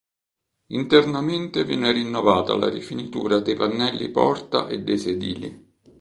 Internamente viene rinnovata la rifinitura dei pannelli porta e dei sedili.